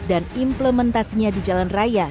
dan implementasinya di jalan raya